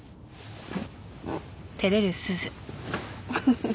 フフフフ。